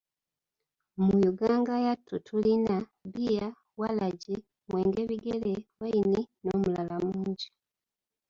Mu Yuganga yattu tulina; Beer, Walagi, mwenge bigere, Wine, N’omulala mungi.